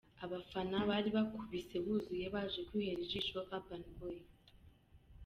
Abafana bari bakubise buzuye baje kwihera ijisho Urban Boyz.